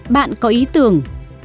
bạn có ý tưởng